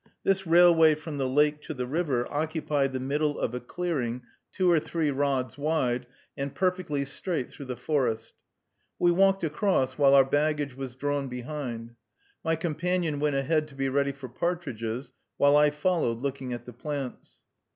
This railway from the lake to the river occupied the middle of a clearing two or three rods wide and perfectly straight through the forest. We walked across while our baggage was drawn behind. My companion went ahead to be ready for partridges, while I followed, looking at the plants.